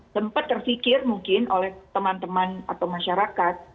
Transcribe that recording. tempat tersikir mungkin oleh teman teman atau masyarakat